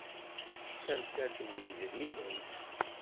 D tamsalt n yidrimen.